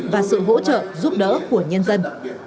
và sự hỗ trợ giúp đỡ của nhân dân